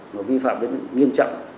mà vi phạm đến nghiêm trọng